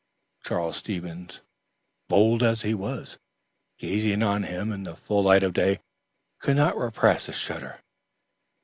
Charles Stevens, bold as he was, gazing on him in the full light of day, could not repress a shudder.